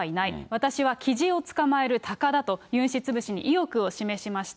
私はキジを捕まえるタカだと、ユン氏潰しに意欲を示しました。